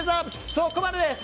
そこまでです。